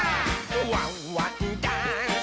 「ワンワンダンス！」